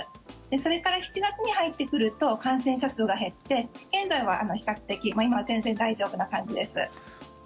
それから７月に入ってくると感染者数が減って現在は比較的今は全然大丈夫な感じです。